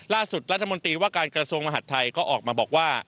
ล่าสุดรัฐมนตรีว่าการกระทรวงมหัฐไทยก็ออกมาบอกว่า